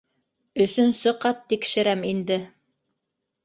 Өсөнсө ҡат тикшерәм инде.